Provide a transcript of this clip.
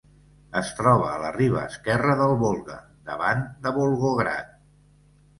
Es troba a la riba esquerra del Volga, davant de Volgograd.